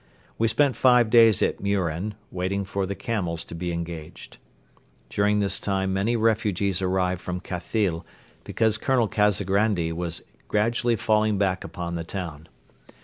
We spent five days at Muren waiting for the camels to be engaged. During this time many refugees arrived from Khathyl because Colonel Kazagrandi was gradually falling back upon the town.